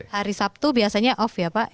hari sabtu biasanya off ya pak